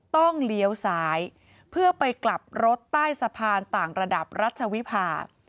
เลี้ยวซ้ายเพื่อไปกลับรถใต้สะพานต่างระดับรัชวิภา